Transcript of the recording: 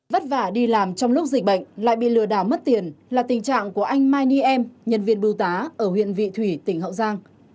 vất vả đi làm trong lúc dịch bệnh lại bị lừa đảo mất tiền là tình trạng của anh mai ni em nhân viên bưu tá ở huyện vị thủy tỉnh hậu giang